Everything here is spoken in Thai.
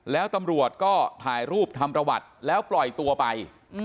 แล้วตำรวจก็ถ่ายรูปทำประวัติแล้วปล่อยตัวไป